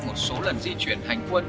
một số lần di chuyển hành quân